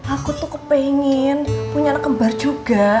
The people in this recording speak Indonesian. aku tuh kepengen punya anak kembar juga